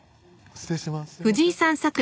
失礼します